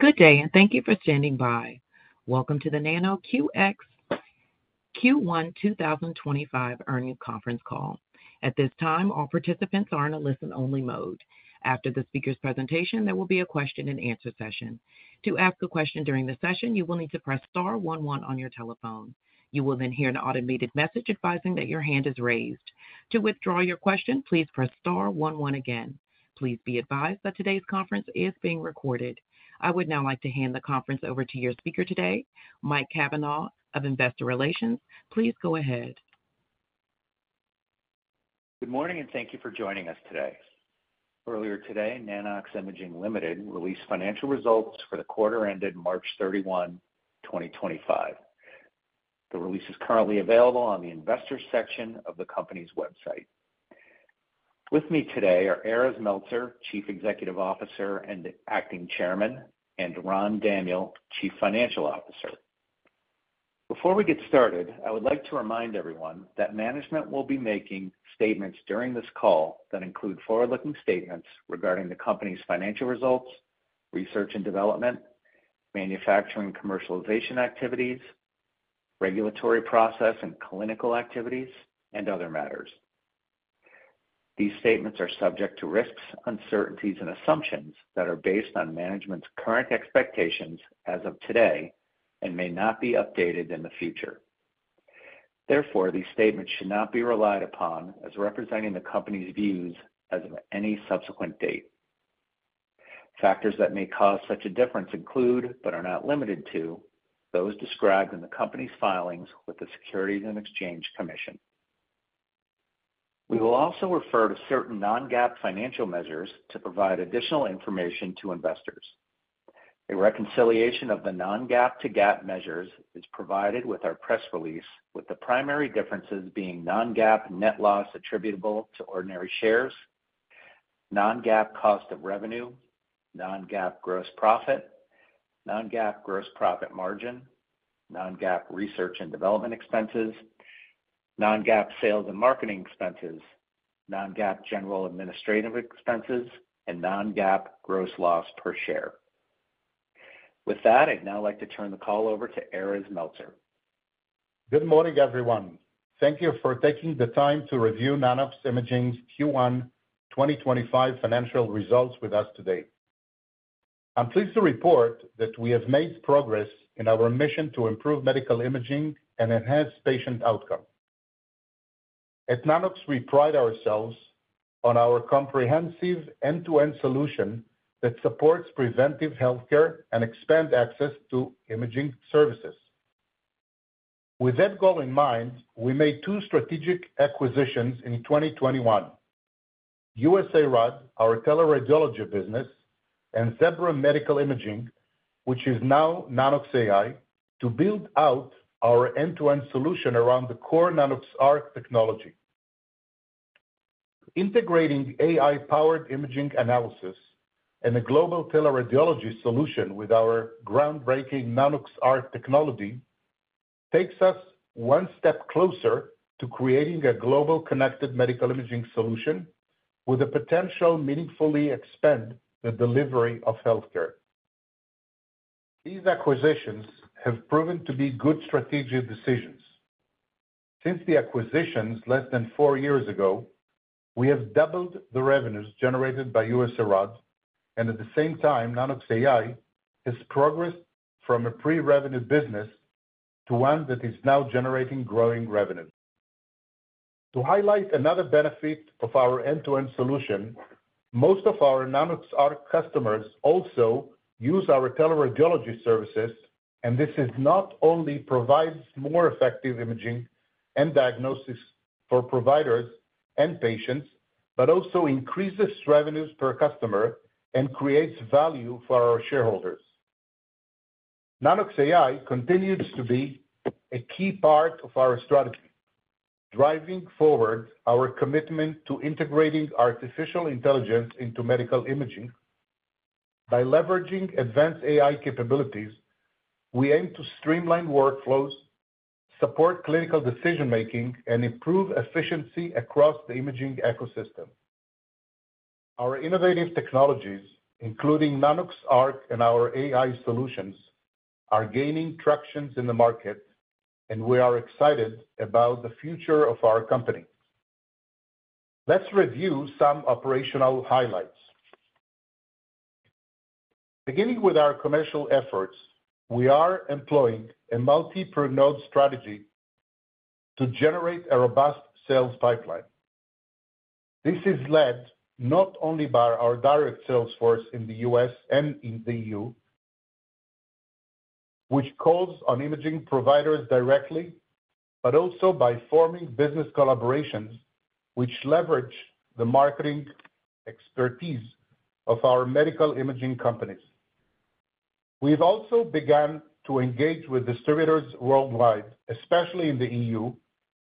Good day, and thank you for standing by. Welcome to the Nano-X Q1 2025 earnings conference call. At this time, all participants are in a listen-only mode. After the speaker's presentation, there will be a question-and-answer session. To ask a question during the session, you will need to press star 11 on your telephone. You will then hear an automated message advising that your hand is raised. To withdraw your question, please press star one one again. Please be advised that today's conference is being recorded. I would now like to hand the conference over to your speaker today, Mike Cavanaugh of Investor Relations. Please go ahead. Good morning, and thank you for joining us today. Earlier today, Nano-X Imaging Ltd. released financial results for the quarter ended March 31, 2025. The release is currently available on the investor section of the company's website. With me today are Erez Meltzer, Chief Executive Officer and Acting Chairman, and Ran Daniel, Chief Financial Officer. Before we get started, I would like to remind everyone that management will be making statements during this call that include forward-looking statements regarding the company's financial results, research and development, manufacturing and commercialization activities, regulatory process and clinical activities, and other matters. These statements are subject to risks, uncertainties, and assumptions that are based on management's current expectations as of today and may not be updated in the future. Therefore, these statements should not be relied upon as representing the company's views as of any subsequent date. Factors that may cause such a difference include, but are not limited to, those described in the company's filings with the Securities and Exchange Commission. We will also refer to certain non-GAAP financial measures to provide additional information to investors. A reconciliation of the non-GAAP to GAAP measures is provided with our press release, with the primary differences being non-GAAP net loss attributable to ordinary shares, non-GAAP cost of revenue, non-GAAP gross profit, non-GAAP gross profit margin, non-GAAP research and development expenses, non-GAAP sales and marketing expenses, non-GAAP general administrative expenses, and non-GAAP gross loss per share. With that, I'd now like to turn the call over to Erez Meltzer. Good morning, everyone. Thank you for taking the time to review Nano-X Imaging Q1 2025 financial results with us today. I'm pleased to report that we have made progress in our mission to improve medical imaging and enhance patient outcomes. At Nano-X, we pride ourselves on our comprehensive end-to-end solution that supports preventive healthcare and expands access to imaging services. With that goal in mind, we made two strategic acquisitions in 2021: USARAD, our teleradiology business, and Zebra Medical Imaging, which is now Nanox.AI, to build out our end-to-end solution around the core Nanox.ARC technology. Integrating AI-powered imaging analysis and a global teleradiology solution with our groundbreaking Nanox.ARC technology takes us one step closer to creating a global connected medical imaging solution with the potential to meaningfully expand the delivery of healthcare. These acquisitions have proven to be good strategic decisions. Since the acquisitions less than four years ago, we have doubled the revenues generated by USARAD, and at the same time, Nanox.AI has progressed from a pre-revenue business to one that is now generating growing revenue. To highlight another benefit of our end-to-end solution, most of our Nanox.ARC customers also use our teleradiology services, and this not only provides more effective imaging and diagnosis for providers and patients, but also increases revenues per customer and creates value for our shareholders. Nanox.AI continues to be a key part of our strategy, driving forward our commitment to integrating artificial intelligence into medical imaging. By leveraging advanced AI capabilities, we aim to streamline workflows, support clinical decision-making, and improve efficiency across the imaging ecosystem. Our innovative technologies, including Nanox.ARC and our AI solutions, are gaining traction in the market, and we are excited about the future of our company. Let's review some operational highlights. Beginning with our commercial efforts, we are employing a multi-per-node strategy to generate a robust sales pipeline. This is led not only by our direct sales force in the U.S. and in the EU, which calls on imaging providers directly, but also by forming business collaborations which leverage the marketing expertise of our medical imaging companies. We've also begun to engage with distributors worldwide, especially in the EU,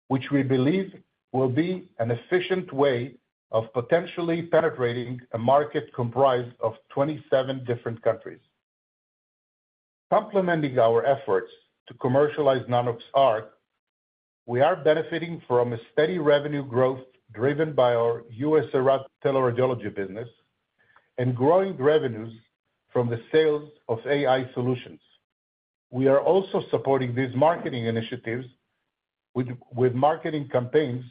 which we believe will be an efficient way of potentially penetrating a market comprised of 27 different countries. Complementing our efforts to commercialize Nanox.ARC, we are benefiting from a steady revenue growth driven by our USARAD teleradiology business and growing revenues from the sales of AI solutions. We are also supporting these marketing initiatives with marketing campaigns,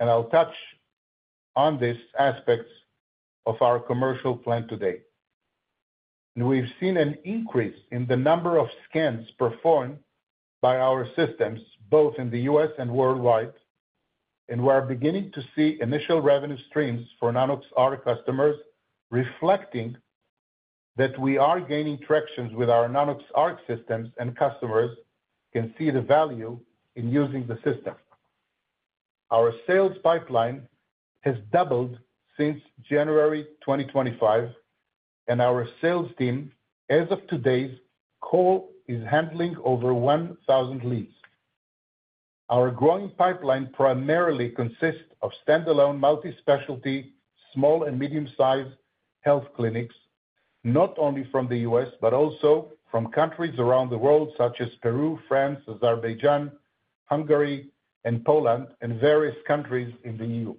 and I'll touch on these aspects of our commercial plan today. We've seen an increase in the number of scans performed by our systems both in the U.S. and worldwide, and we are beginning to see initial revenue streams for Nanox.ARC customers reflecting that we are gaining traction with our Nanox.ARC systems, and customers can see the value in using the system. Our sales pipeline has doubled since January 2025, and our sales team, as of today's call, is handling over 1,000 leads. Our growing pipeline primarily consists of standalone multi-specialty, small and medium-sized health clinics, not only from the U.S., but also from countries around the world such as Peru, France, Azerbaijan, Hungary, and Poland, and various countries in the EU.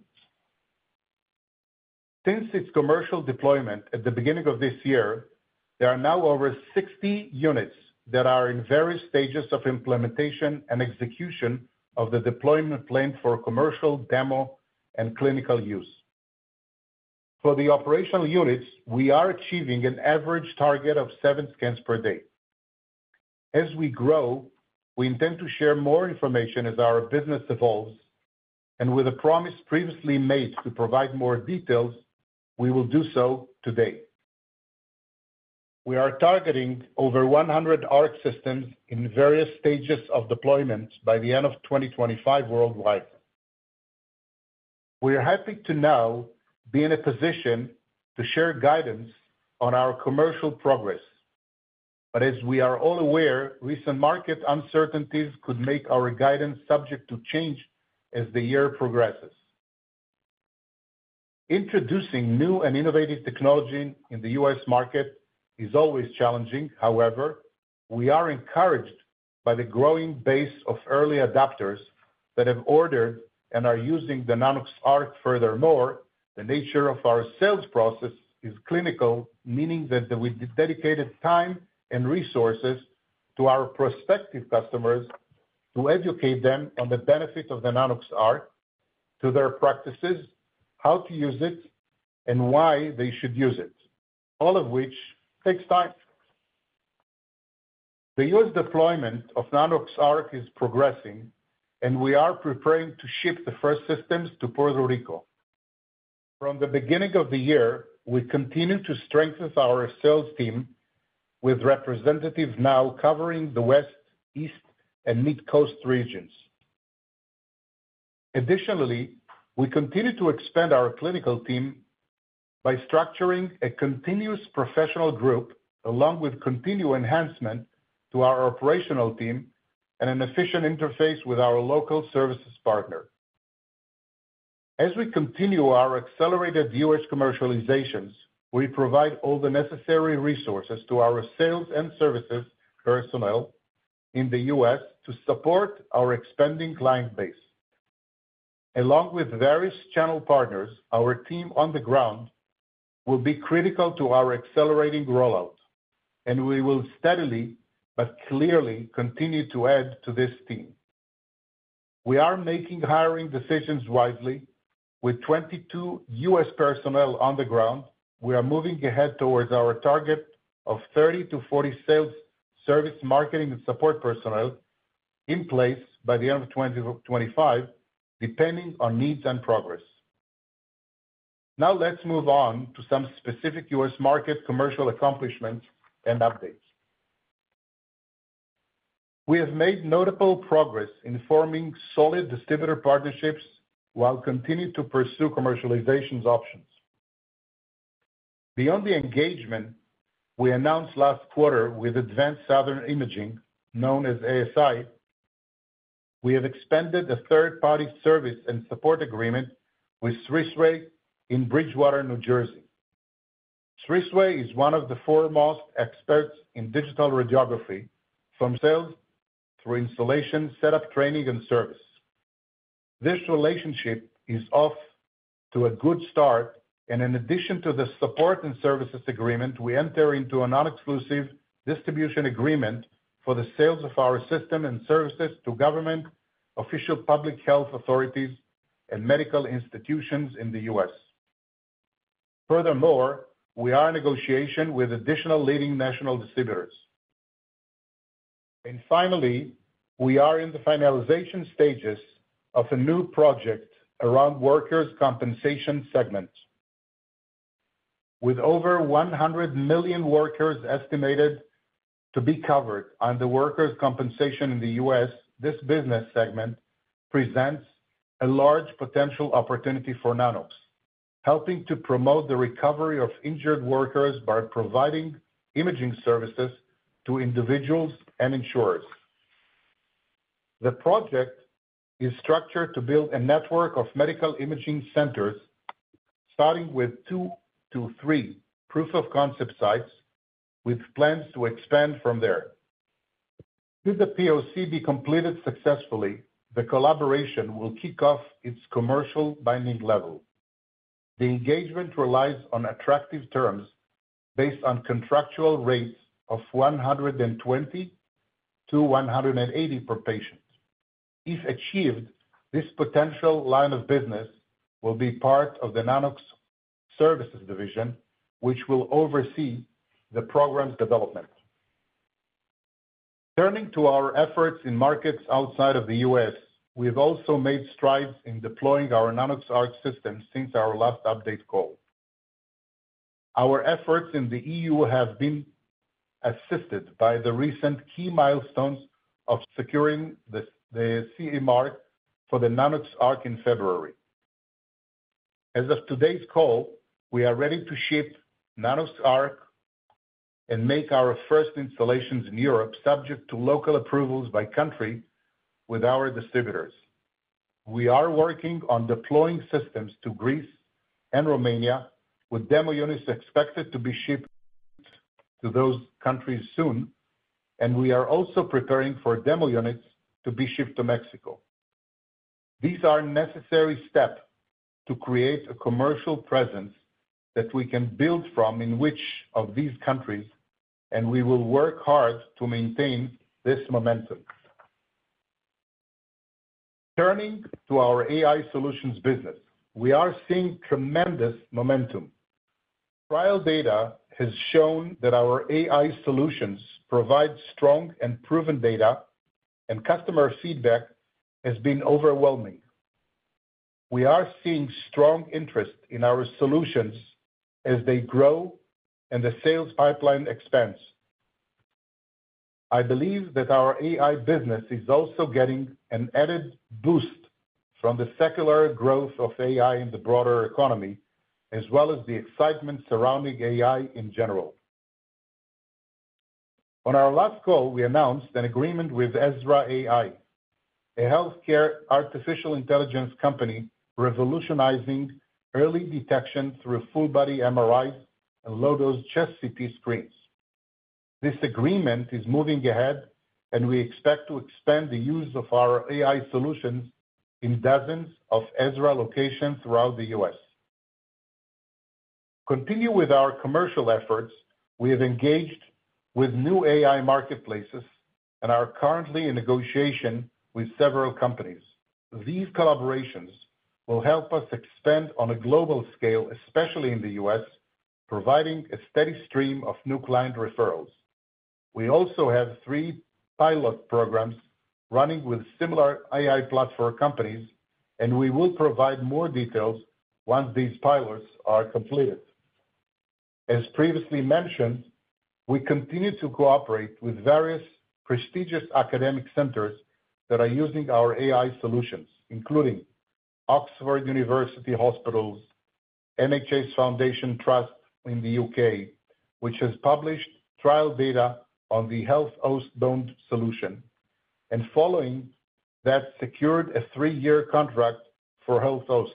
Since its commercial deployment at the beginning of this year, there are now over 60 units that are in various stages of implementation and execution of the deployment plan for commercial demo and clinical use. For the operational units, we are achieving an average target of seven scans per day. As we grow, we intend to share more information as our business evolves, and with a promise previously made to provide more details, we will do so today. We are targeting over 100 ARC systems in various stages of deployment by the end of 2025 worldwide. We are happy to now be in a position to share guidance on our commercial progress, but as we are all aware, recent market uncertainties could make our guidance subject to change as the year progresses. Introducing new and innovative technology in the U.S. market is always challenging; however, we are encouraged by the growing base of early adopters that have ordered and are using the Nanox.ARC. Furthermore, the nature of our sales process is clinical, meaning that we dedicated time and resources to our prospective customers to educate them on the benefits of the Nanox.ARC, to their practices, how to use it, and why they should use it, all of which takes time. The U.S. deployment of Nanox.ARC is progressing, and we are preparing to ship the first systems to Puerto Rico. From the beginning of the year, we continue to strengthen our sales team with representatives now covering the West, East, and Midcoast regions. Additionally, we continue to expand our clinical team by structuring a continuous professional group along with continued enhancement to our operational team and an efficient interface with our local services partner. As we continue our accelerated U.S. commercializations, we provide all the necessary resources to our sales and services personnel in the U.S. to support our expanding client base. Along with various channel partners, our team on the ground will be critical to our accelerating rollout, and we will steadily but clearly continue to add to this team. We are making hiring decisions wisely. With 22 U.S. personnel on the ground, we are moving ahead towards our target of 30 sales-40 sales, service, marketing, and support personnel in place by the end of 2025, depending on needs and progress. Now let's move on to some specific U.S. market commercial accomplishments and updates. We have made notable progress in forming solid distributor partnerships while continuing to pursue commercialization options. Beyond the engagement we announced last quarter with Advanced Southern Imaging, known as ASI, we have expanded a third-party service and support agreement with Swiss Ray in Bridgewater, New Jersey. Swiss Ray is one of the foremost experts in digital radiography, from sales through installation, setup, training, and service. This relationship is off to a good start, and in addition to the support and services agreement, we enter into a non-exclusive distribution agreement for the sales of our system and services to government, official public health authorities, and medical institutions in the U.S. Furthermore, we are in negotiation with additional leading national distributors. Finally, we are in the finalization stages of a new project around the workers' compensation segment. With over 100 million workers estimated to be covered under workers' compensation in the U.S., this business segment presents a large potential opportunity for Nano-X, helping to promote the recovery of injured workers by providing imaging services to individuals and insurers. The project is structured to build a network of medical imaging centers, starting with two to three proof-of-concept sites, with plans to expand from there. Should the POC be completed successfully, the collaboration will kick off its commercial binding level. The engagement relies on attractive terms based on contractual rates of $120-$180 per patient. If achieved, this potential line of business will be part of the Nano-X Services Division, which will oversee the program's development. Turning to our efforts in markets outside of the U.S., we have also made strides in deploying our Nanox.ARC system since our last update call. Our efforts in the EU have been assisted by the recent key milestones of securing the CE mark for the Nanox.ARC in February. As of today's call, we are ready to ship Nanox.ARC and make our first installations in Europe, subject to local approvals by country with our distributors. We are working on deploying systems to Greece and Romania, with demo units expected to be shipped to those countries soon, and we are also preparing for demo units to be shipped to Mexico. These are necessary steps to create a commercial presence that we can build from in each of these countries, and we will work hard to maintain this momentum. Turning to our AI solutions business, we are seeing tremendous momentum. Trial data has shown that our AI solutions provide strong and proven data, and customer feedback has been overwhelming. We are seeing strong interest in our solutions as they grow and the sales pipeline expands. I believe that our AI business is also getting an added boost from the secular growth of AI in the broader economy, as well as the excitement surrounding AI in general. On our last call, we announced an agreement with Ezra AI, a healthcare artificial intelligence company revolutionizing early detection through full-body MRIs and low-dose chest CT screens. This agreement is moving ahead, and we expect to expand the use of our AI solutions in dozens of Ezra locations throughout the U.S. Continuing with our commercial efforts, we have engaged with new AI marketplaces and are currently in negotiation with several companies. These collaborations will help us expand on a global scale, especially in the U.S., providing a steady stream of new client referrals. We also have three pilot programs running with similar AI platform companies, and we will provide more details once these pilots are completed. As previously mentioned, we continue to cooperate with various prestigious academic centers that are using our AI solutions, including Oxford University Hospitals, MHS Foundation Trust in the U.K., which has published trial data on the HealthOST bone solution, and following that, secured a three-year contract for Health OST.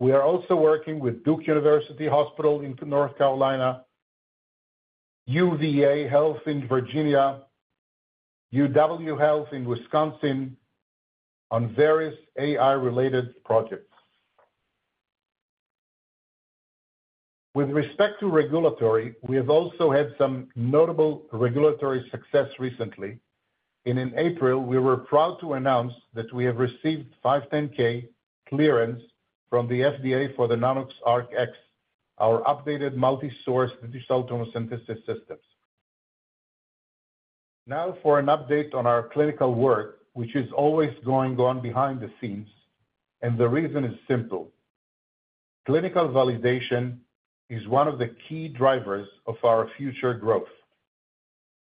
We are also working with Duke University Hospital in North Carolina, UVA Health in Virginia, UW Health in Wisconsin on various AI-related projects. With respect to regulatory, we have also had some notable regulatory success recently. In April, we were proud to announce that we have received 510(k) clearance from the FDA for the Nanox.ARC X, our updated multi-source digital tomosynthesis systems. Now for an update on our clinical work, which is always going on behind the scenes, and the reason is simple. Clinical validation is one of the key drivers of our future growth.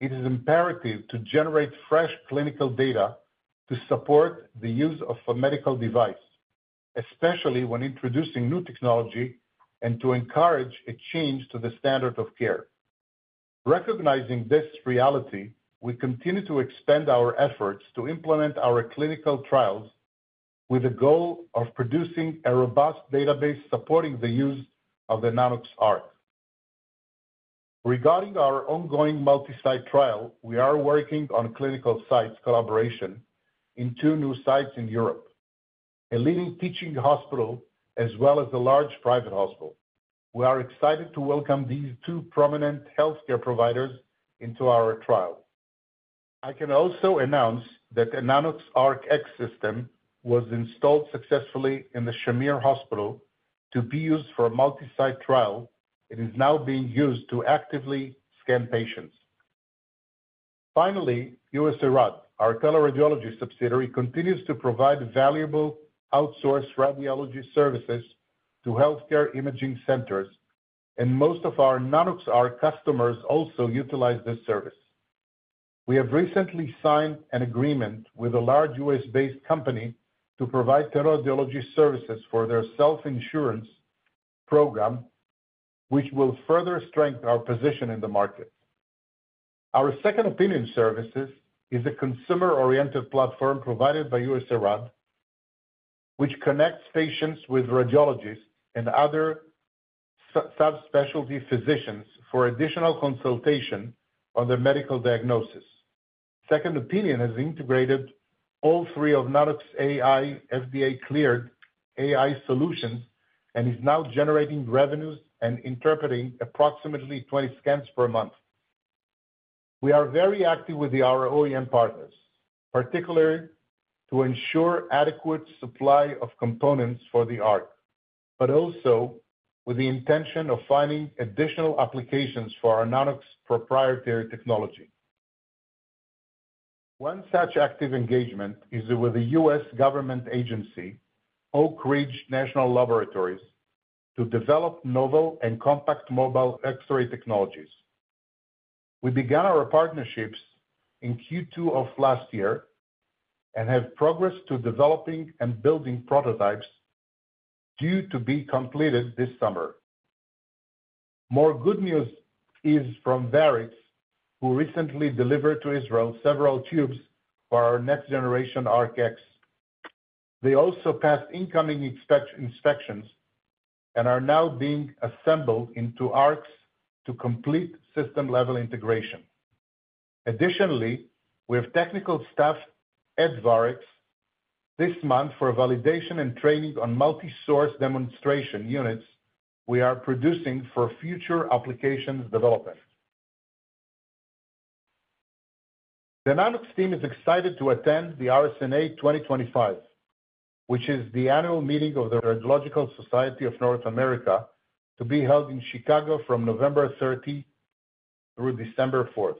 It is imperative to generate fresh clinical data to support the use of a medical device, especially when introducing new technology, and to encourage a change to the standard of care. Recognizing this reality, we continue to expand our efforts to implement our clinical trials with the goal of producing a robust database supporting the use of the Nanox.ARC. Regarding our ongoing multi-site trial, we are working on clinical sites collaboration in two new sites in Europe, a leading teaching hospital as well as a large private hospital. We are excited to welcome these two prominent healthcare providers into our trial. I can also announce that the Nanox.ARC X system was installed successfully in the Shamir Hospital to be used for a multi-site trial. It is now being used to actively scan patients. Finally, USARAD, our teleradiology subsidiary, continues to provide valuable outsourced radiology services to healthcare imaging centers, and most of our Nanox.ARC customers also utilize this service. We have recently signed an agreement with a large U.S.-based company to provide teleradiology services for their self-insurance program, which will further strengthen our position in the market. Our Second Opinion Services is a consumer-oriented platform provided by USARAD, which connects patients with radiologists and other subspecialty physicians for additional consultation on their medical diagnosis. Second Opinion has integrated all three of Nanox.AI FDA-cleared AI solutions and is now generating revenues and interpreting approximately 20 scans per month. We are very active with the ROEM partners, particularly to ensure adequate supply of components for the ARC, but also with the intention of finding additional applications for our Nano-X proprietary technology. One such active engagement is with a U.S. government agency, Oak Ridge National Laboratories, to develop novel and compact mobile X-ray technologies. We began our partnerships in Q2 of last year and have progressed to developing and building prototypes due to be completed this summer. More good news is from Varits, who recently delivered to Israel several tubes for our next generation ARC X. They also passed incoming inspections and are now being assembled into ARCs to complete system-level integration. Additionally, we have technical staff at Varits this month for validation and training on multi-source demonstration units we are producing for future applications development. The Nano-X team is excited to attend the RSNA 2025, which is the annual meeting of the Radiological Society of North America, to be held in Chicago from November 30 through December 4.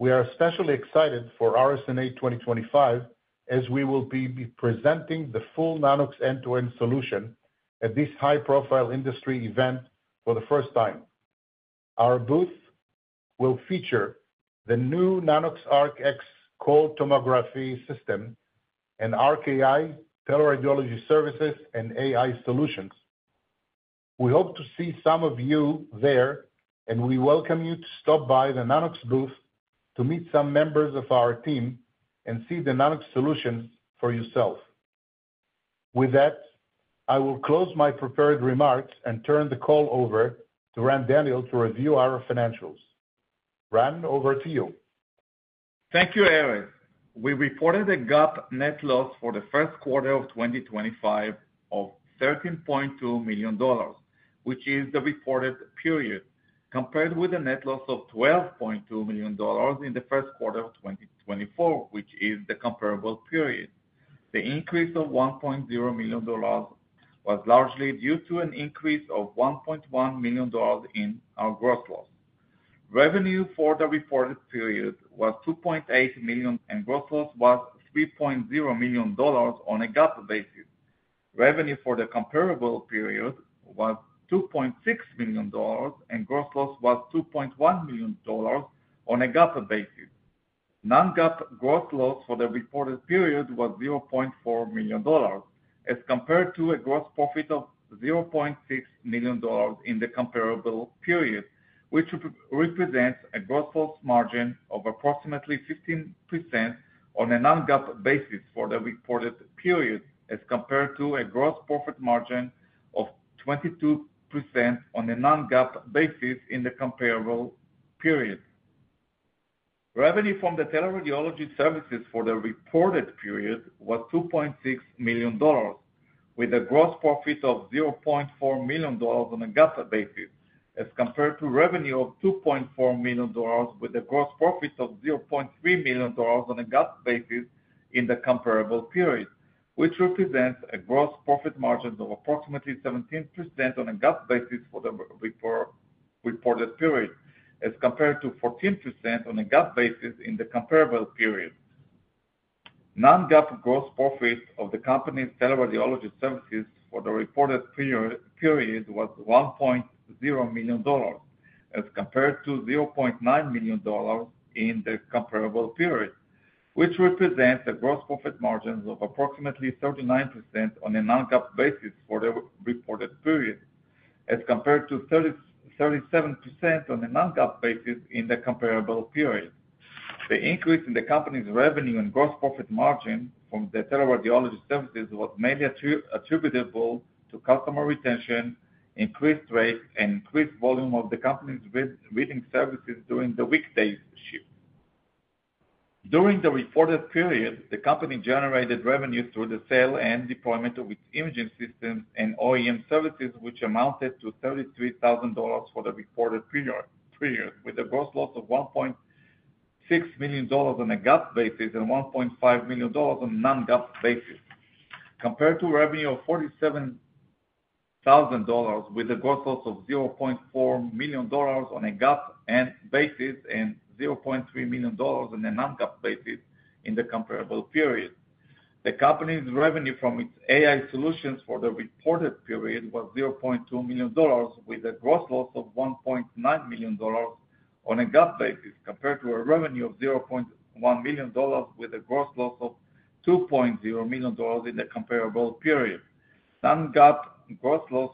We are especially excited for RSNA 2025 as we will be presenting the full Nano-X end-to-end solution at this high-profile industry event for the first time. Our booth will feature the new Nanox.ARC X cold tomography system and ARC AI teleradiology services and AI solutions. We hope to see some of you there, and we welcome you to stop by the Nano-X booth to meet some members of our team and see the Nano-X solutions for yourself. With that, I will close my prepared remarks and turn the call over to Ran Daniel to review our financials. Ran, over to you. Thank you, Erez. We reported a GAAP net loss for the first quarter of 2025 of $13.2 million, which is the reported period, compared with a net loss of $12.2 million in the first quarter of 2024, which is the comparable period. The increase of $1.0 million was largely due to an increase of $1.1 million in our RevPAR. Revenue for the reported period was $2.8 million, and gross loss was $3.0 million on a GAAP basis. Revenue for the comparable period was $2.6 million, and gross loss was $2.1 million on a GAAP basis. Non-GAAP gross loss for the reported period was $0.4 million, as compared to a gross profit of $0.6 million in the comparable period, which represents a gross loss margin of approximately 15% on a non-GAAP basis for the reported period, as compared to a gross profit margin of 22% on a non-GAAP basis in the comparable period. Revenue from the teleradiology services for the reported period was $2.6 million, with a gross profit of $0.4 million on a GAAP basis, as compared to revenue of $2.4 million with a gross profit of $0.3 million on a GAAP basis in the comparable period, which represents a gross profit margin of approximately 17% on a GAAP basis for the reported period, as compared to 14% on a GAAP basis in the comparable period. Non-GAAP gross profit of the company's teleradiology services for the reported period was $1.0 million, as compared to $0.9 million in the comparable period, which represents a gross profit margin of approximately 39% on a non-GAAP basis for the reported period, as compared to 37% on a non-GAAP basis in the comparable period. The increase in the company's revenue and gross profit margin from the teleradiology services was mainly attributable to customer retention, increased rate, and increased volume of the company's reading services during the weekday shift. During the reported period, the company generated revenue through the sale and deployment of its imaging systems and OEM services, which amounted to $33,000 for the reported period, with a gross loss of $1.6 million on a GAAP basis and $1.5 million on a non-GAAP basis, compared to revenue of $47,000 with a gross loss of $0.4 million on a GAAP basis and $0.3 million on a non-GAAP basis in the comparable period. The company's revenue from its AI solutions for the reported period was $0.2 million, with a gross loss of $1.9 million on a GAAP basis, compared to a revenue of $0.1 million with a gross loss of $2.0 million in the comparable period. Non-GAAP gross loss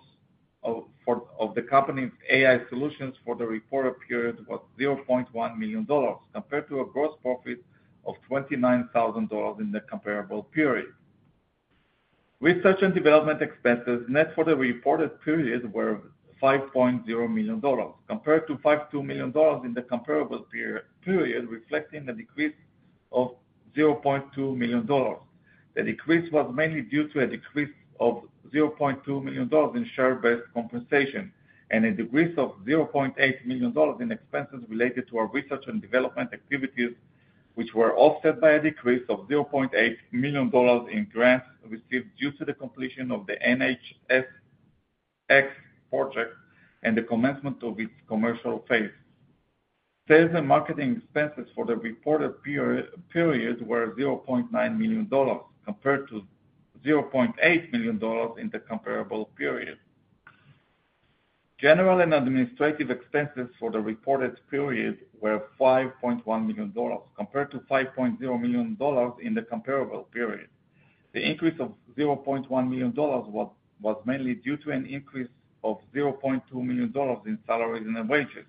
of the company's AI solutions for the reported period was $0.1 million, compared to a gross profit of $29,000 in the comparable period. Research and development expenses net for the reported period were $5.0 million, compared to $5.2 million in the comparable period, reflecting a decrease of $0.2 million. The decrease was mainly due to a decrease of $0.2 million in share-based compensation and a decrease of $0.8 million in expenses related to our research and development activities, which were offset by a decrease of $0.8 million in grants received due to the completion of the NHS X project and the commencement of its commercial phase. Sales and marketing expenses for the reported period were $0.9 million, compared to $0.8 million in the comparable period. General and administrative expenses for the reported period were $5.1 million, compared to $5.0 million in the comparable period. The increase of $0.1 million was mainly due to an increase of $0.2 million in salaries and wages,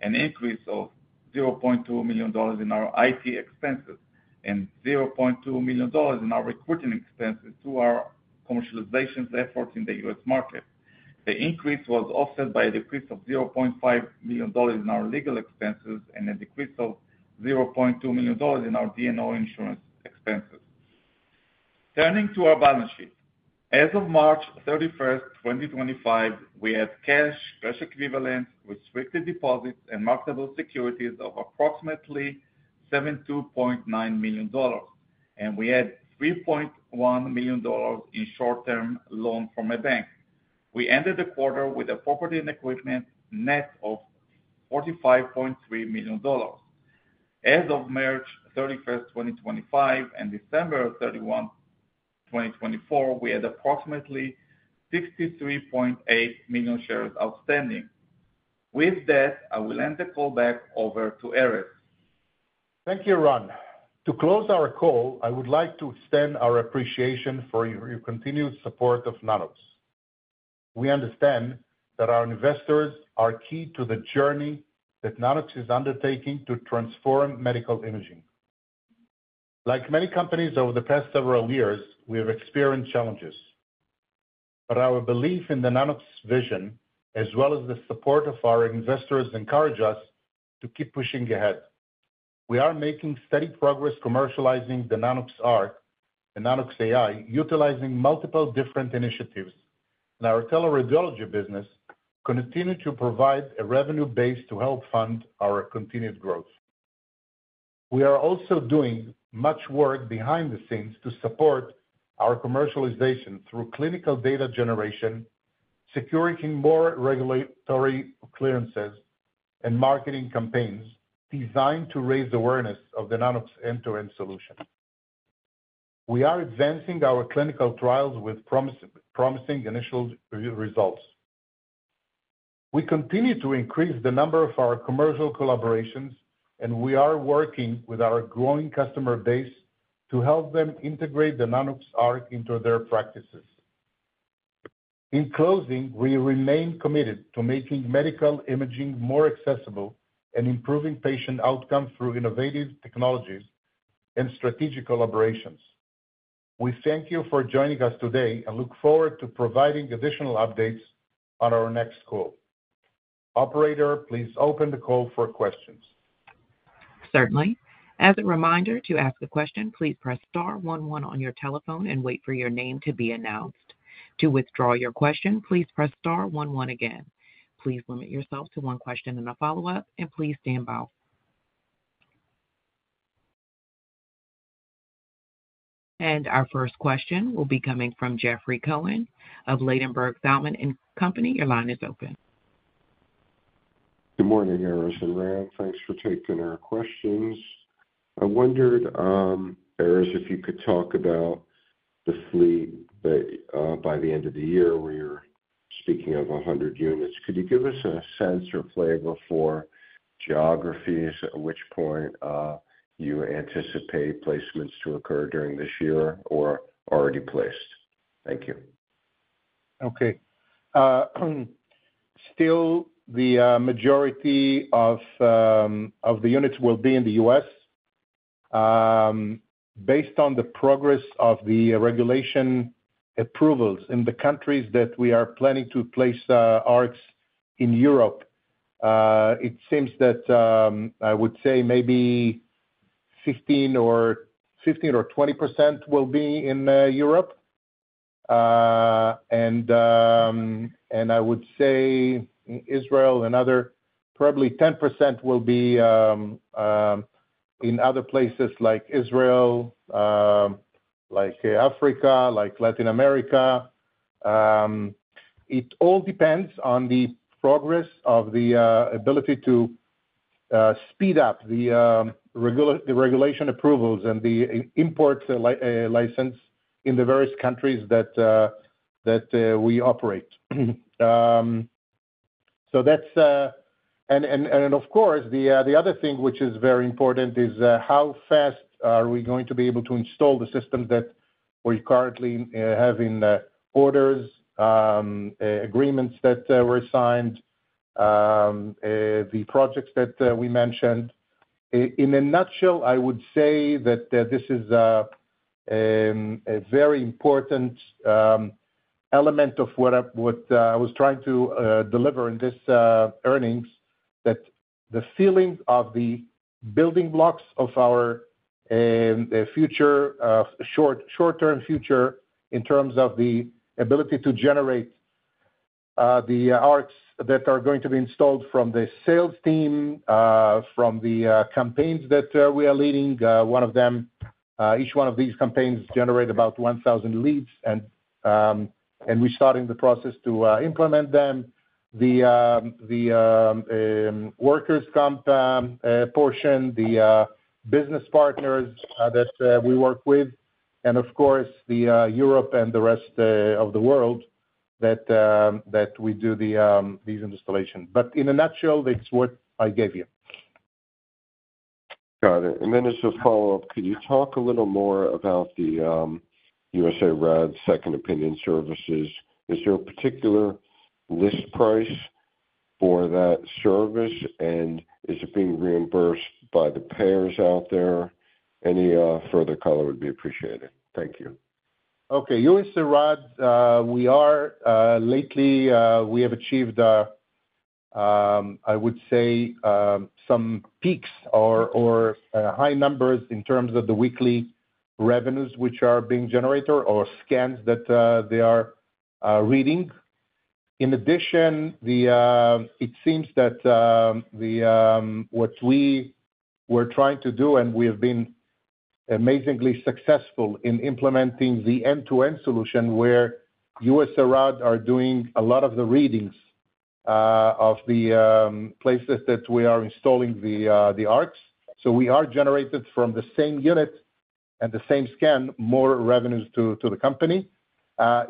an increase of $0.2 million in our IT expenses, and $0.2 million in our recruiting expenses through our commercialization efforts in the U.S. market. The increase was offset by a decrease of $0.5 million in our legal expenses and a decrease of $0.2 million in our D&O insurance expenses. Turning to our balance sheet, as of March 31, 2025, we had cash, cash equivalents, restricted deposits, and marketable securities of approximately $72.9 million, and we had $3.1 million in short-term loans from a bank. We ended the quarter with a property and equipment net of $45.3 million. As of March 31, 2025, and December 31, 2024, we had approximately 63.8 million shares outstanding. With that, I will end the call back over to Erez. Thank you, Ran. To close our call, I would like to extend our appreciation for your continued support of Nano-X. We understand that our investors are key to the journey that Nano-X is undertaking to transform medical imaging. Like many companies over the past several years, we have experienced challenges. Our belief in the Nano-X vision, as well as the support of our investors, encourages us to keep pushing ahead. We are making steady progress commercializing the Nanox.ARC and Nanox.AI, utilizing multiple different initiatives, and our teleradiology business continues to provide a revenue base to help fund our continued growth. We are also doing much work behind the scenes to support our commercialization through clinical data generation, securing more regulatory clearances and marketing campaigns designed to raise awareness of the Nano-X end-to-end solution. We are advancing our clinical trials with promising initial results. We continue to increase the number of our commercial collaborations, and we are working with our growing customer base to help them integrate the Nanox.ARC into their practices. In closing, we remain committed to making medical imaging more accessible and improving patient outcomes through innovative technologies and strategic collaborations. We thank you for joining us today and look forward to providing additional updates on our next call. Operator, please open the call for questions. Certainly. As a reminder, to ask a question, please press star one one on your telephone and wait for your name to be announced. To withdraw your question, please press star one one again. Please limit yourself to one question and a follow-up, and please stand by. Our first question will be coming from Jeffrey Cohen of Ladenburg Thalmann. Your line is open. Good morning, Erez and Ran. Thanks for taking our questions. I wondered, Erez, if you could talk about the fleet by the end of the year where you're speaking of 100 units. Could you give us a sense or flavor for geographies at which point you anticipate placements to occur during this year or already placed? Thank you. Okay. Still, the majority of the units will be in the U.S. Based on the progress of the regulation approvals in the countries that we are planning to place ARCs in Europe, it seems that I would say maybe 15%-20% will be in Europe. I would say in Israel and other probably 10% will be in other places like Israel, like Africa, like Latin America. It all depends on the progress of the ability to speed up the regulation approvals and the import license in the various countries that we operate. Of course, the other thing which is very important is how fast are we going to be able to install the systems that we currently have in orders, agreements that were signed, the projects that we mentioned. In a nutshell, I would say that this is a very important element of what I was trying to deliver in this earnings, that the feeling of the building blocks of our future, short-term future in terms of the ability to generate the ARCs that are going to be installed from the sales team, from the campaigns that we are leading. Each one of these campaigns generates about 1,000 leads, and we're starting the process to implement them. The workers' comp portion, the business partners that we work with, and of course, the Europe and the rest of the world that we do these installations. But in a nutshell, it's what I gave you. Got it. And then as a follow-up, could you talk a little more about the USARAD Second Opinion Services? Is there a particular list price for that service, and is it being reimbursed by the payers out there? Any further color would be appreciated. Thank you. Okay. USARAD, we are lately we have achieved, I would say, some peaks or high numbers in terms of the weekly revenues which are being generated or scans that they are reading. In addition, it seems that what we were trying to do, and we have been amazingly successful in implementing the end-to-end solution where USARAD are doing a lot of the readings of the places that we are installing the ARCs. So we are generating from the same unit and the same scan more revenues to the company.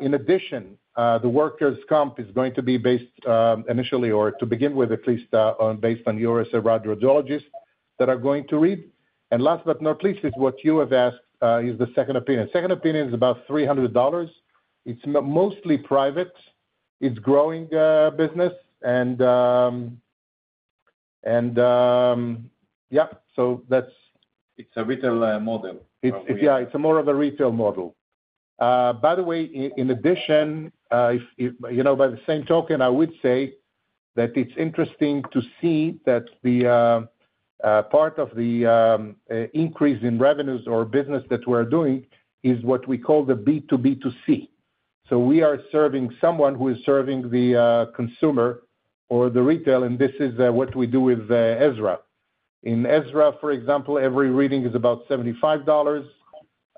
In addition, the workers' comp is going to be based initially or to begin with, at least based on USARAD radiologists that are going to read. Last but not least, is what you have asked is the second opinion. Second opinion is about $300. It's mostly private. It's growing business. Yeah, so that's it's a retail model. Yeah, it's more of a retail model. By the way, in addition, by the same token, I would say that it's interesting to see that part of the increase in revenues or business that we're doing is what we call the B2B2C. We are serving someone who is serving the consumer or the retail, and this is what we do with Ezra. In Ezra, for example, every reading is about $75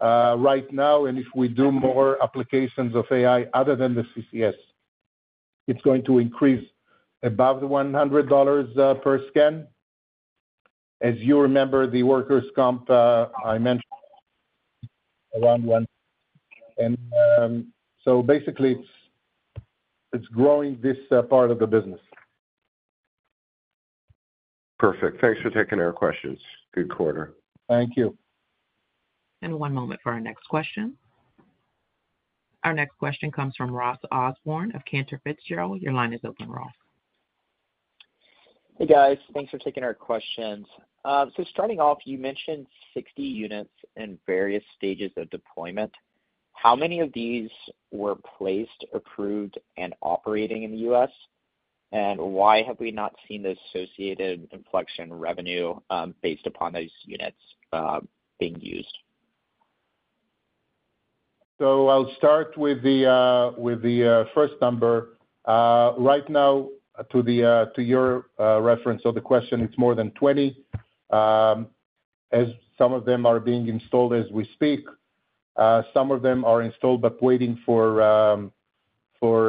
right now. If we do more applications of AI other than the CCS, it's going to increase above $100 per scan. As you remember, the workers' comp I mentioned around. Basically, it's growing this part of the business. Perfect. Thanks for taking our questions. Good quarter. Thank you. One moment for our next question. Our next question comes from Ross Osborn of Cantor Fitzgerald. Your line is open, Ross. Hey, guys. Thanks for taking our questions. Starting off, you mentioned 60 units in various stages of deployment. How many of these were placed, approved, and operating in the U.S.? Why have we not seen the associated inflection revenue based upon those units being used? I'll start with the first number. Right now, to your reference of the question, it's more than 20. As some of them are being installed as we speak, some of them are installed but waiting for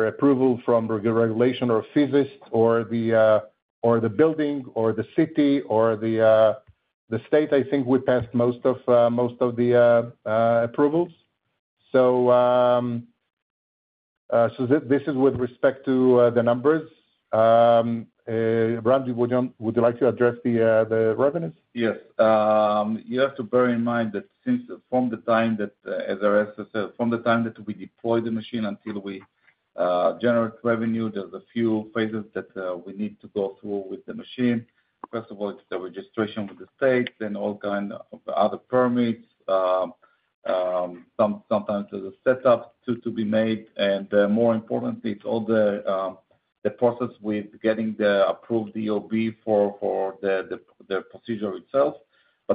approval from regulation or physicists or the building or the city or the state. I think we passed most of the approvals. This is with respect to the numbers. Ran, would you like to address the revenues? Yes. You have to bear in mind that from the time that, as Erez has said, from the time that we deploy the machine until we generate revenue, there are a few phases that we need to go through with the machine. First of all, it is the registration with the state, then all kinds of other permits, sometimes there is a setup to be made. More importantly, it is all the process with getting the approved EOB for the procedure itself.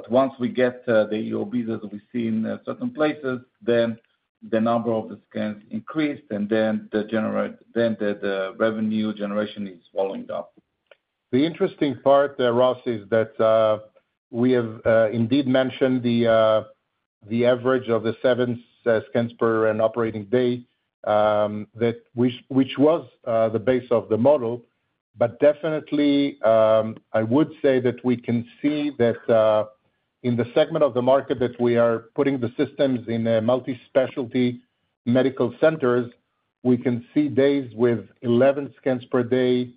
Once we get the EOBs as we see in certain places, then the number of the scans increased, and then the revenue generation is following up. The interesting part, Ross, is that we have indeed mentioned the average of the seven scans per an operating day, which was the base of the model. I would say that we can see that in the segment of the market that we are putting the systems in multispecialty medical centers, we can see days with 11 scans per day,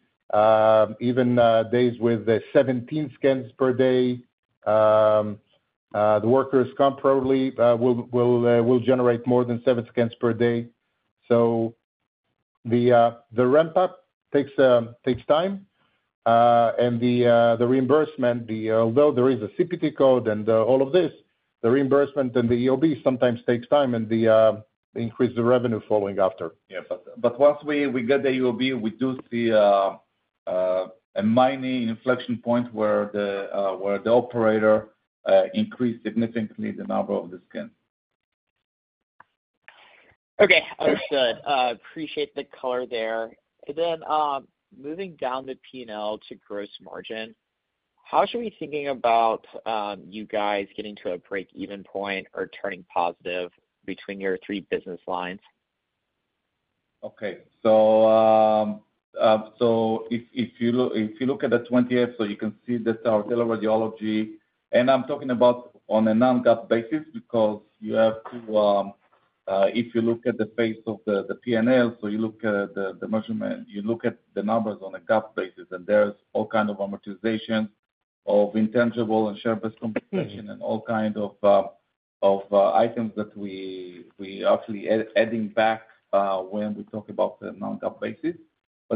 even days with 17 scans per day. The workers' comp probably will generate more than seven scans per day. The ramp-up takes time, and the reimbursement, although there is a CPT code and all of this, the reimbursement and the EOB sometimes takes time and increases the revenue following after. Yes. Once we get the EOB, we do see a mining inflection point where the operator increased significantly the number of the scans. Okay. Understood. Appreciate the color there. Moving down the P&L to gross margin, how should we be thinking about you guys getting to a break-even point or turning positive between your three business lines? Okay. If you look at the 20-F, you can see that our teleradiology—and I'm talking about on a non-GAAP basis because you have to—if you look at the face of the P&L, you look at the measurement, you look at the numbers on a GAAP basis, and there are all kinds of amortizations of intangible and share-based compensation and all kinds of items that we are actually adding back when we talk about the non-GAAP basis.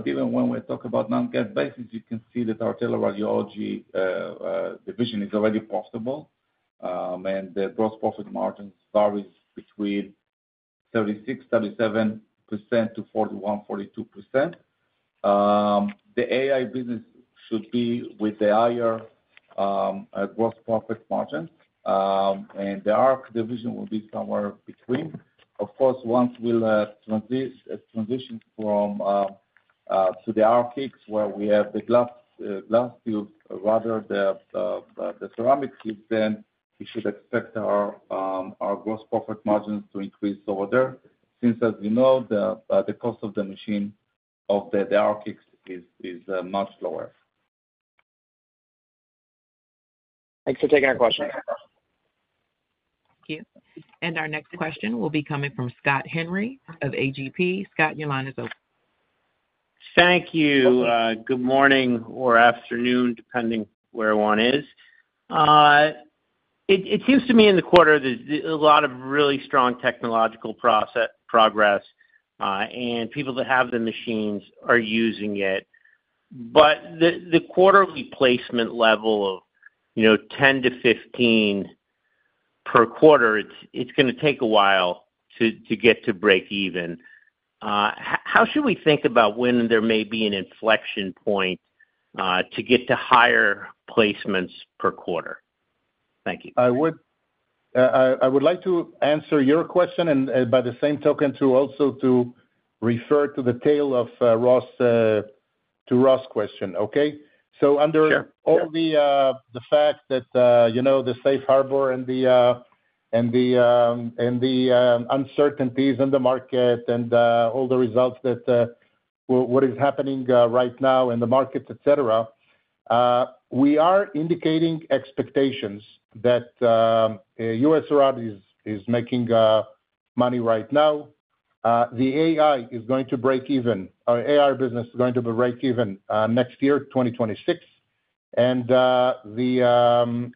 Even when we talk about non-GAAP basis, you can see that our teleradiology division is already profitable, and the gross profit margin varies between 36%-37% to 41%-42%. The AI business should be with the higher gross profit margins, and the ARC division will be somewhere between. Of course, once we transition from to the RFX where we have the glass tubes, rather the ceramic tubes, then we should expect our gross profit margins to increase over there since, as you know, the cost of the machine of the RFX is much lower. Thanks for taking our questions. Thank you. Our next question will be coming from Scott Henry of AGP. Scott, your line is open. Thank you. Good morning or afternoon, depending where one is. It seems to me in the quarter, there's a lot of really strong technological progress, and people that have the machines are using it. But the quarterly placement level of 10-15 per quarter, it's going to take a while to get to break-even. How should we think about when there may be an inflection point to get to higher placements per quarter? Thank you. I would like to answer your question and by the same token to also refer to the tale of Ross's question, okay? Under all the fact that the safe harbor and the uncertainties in the market and all the results that what is happening right now in the market, etc., we are indicating expectations that USARAD is making money right now. The AI is going to break even. AI business is going to break even next year, 2026, and the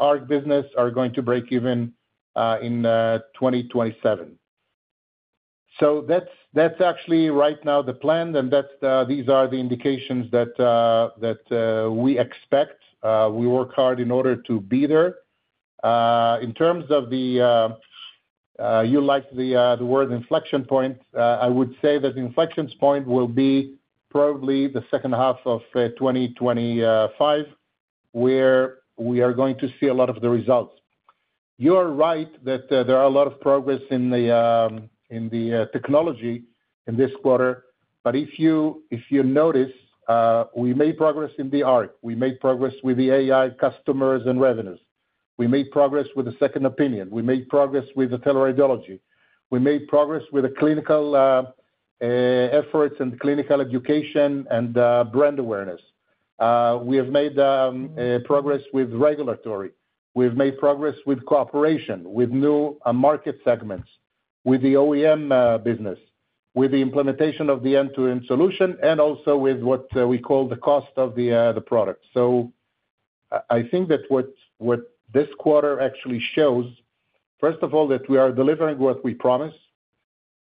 ARC business are going to break even in 2027. That is actually right now the plan, and these are the indications that we expect. We work hard in order to be there. In terms of the you like the word inflection point, I would say that inflection point will be probably the second half of 2025 where we are going to see a lot of the results. You are right that there are a lot of progress in the technology in this quarter, but if you notice, we made progress in the ARC. We made progress with the AI customers and revenues. We made progress with the second opinion. We made progress with the teleradiology. We made progress with the clinical efforts and clinical education and brand awareness. We have made progress with regulatory. We've made progress with cooperation, with new market segments, with the OEM business, with the implementation of the end-to-end solution, and also with what we call the cost of the product. I think that what this quarter actually shows, first of all, that we are delivering what we promised,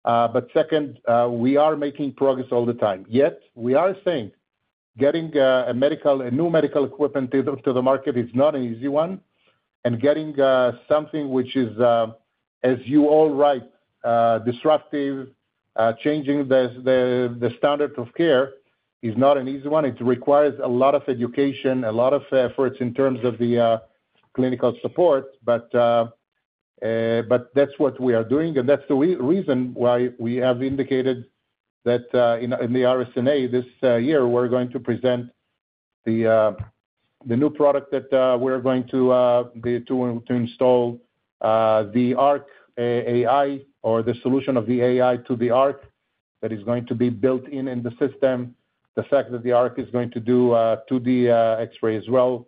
but second, we are making progress all the time. Yet we are saying getting a new medical equipment to the market is not an easy one, and getting something which is, as you all write, disruptive, changing the standard of care is not an easy one. It requires a lot of education, a lot of efforts in terms of the clinical support, but that's what we are doing. That is the reason why we have indicated that in the RSNA this year, we are going to present the new product that we are going to install, the ARC AI or the solution of the AI to the ARC that is going to be built in the system, the fact that the ARC is going to do 2D X-ray as well,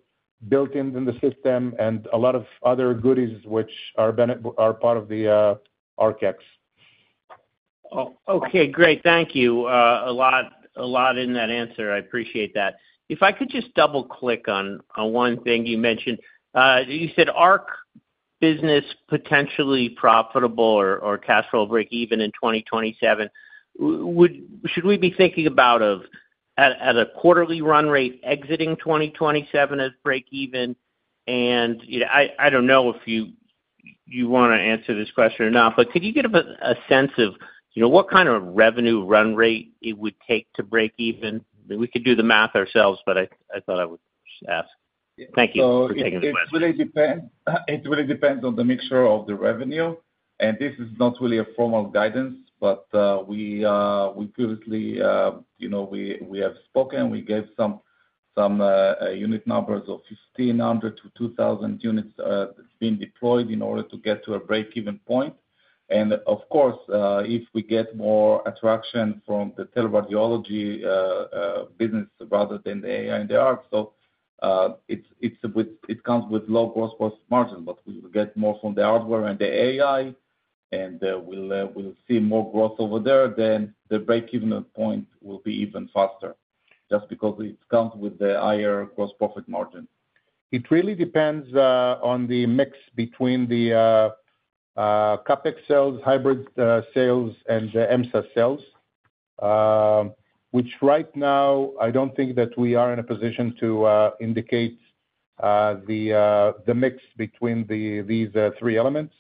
built in the system, and a lot of other goodies which are part of the RFX. Okay. Great. Thank you a lot in that answer. I appreciate that. If I could just double-click on one thing you mentioned. You said ARC business potentially profitable or cash flow break-even in 2027. Should we be thinking about, at a quarterly run rate, exiting 2027 at break-even? I do not know if you want to answer this question or not, but could you give a sense of what kind of revenue run rate it would take to break-even? We could do the math ourselves, but I thought I would ask. Thank you for taking the question. It really depends on the mixture of the revenue. This is not really a formal guidance, but we previously have spoken. We gave some unit numbers of 1,500 units-2,000 units being deployed in order to get to a break-even point. If we get more attraction from the teleradiology business rather than the AI and the ARC, it comes with low gross profit margin, but if we get more from the hardware and the AI, and we see more growth over there, then the break-even point will be even faster just because it comes with the higher gross profit margin. It really depends on the mix between the CapEx sales, hybrid sales, and the EMSA sales, which right now, I do not think that we are in a position to indicate the mix between these three elements.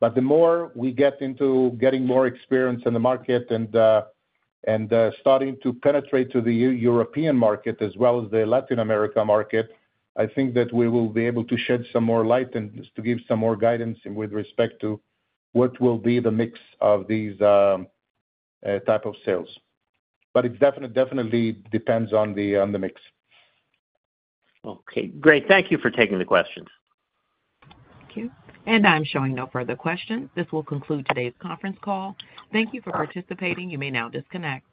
The more we get into getting more experience in the market and starting to penetrate to the European market as well as the Latin America market, I think that we will be able to shed some more light and to give some more guidance with respect to what will be the mix of these type of sales. It definitely depends on the mix. Okay. Great. Thank you for taking the questions. Thank you. I'm showing no further questions. This will conclude today's conference call. Thank you for participating. You may now disconnect.